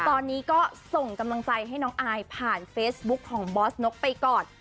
ตอนนี้ก็ส่งกำลังใจให้น้องอายผ่านเฟซบุ๊คของบอสนกไปก่อน